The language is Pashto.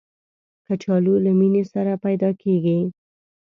کچالو له مینې سره پیدا کېږي